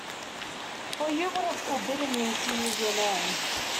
For you would have forbidden me to use your name.